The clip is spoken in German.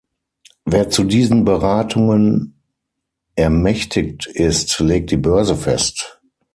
Wer zu diesen Beratungen ermächtigt ist, legt die Börse fest.